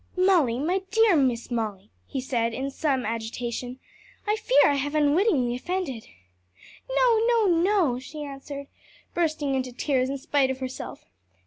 "Molly, my dear Miss Molly," he said, in some agitation, "I fear I have unwittingly offended." "No, no, no!" she answered, bursting into tears in spite of herself.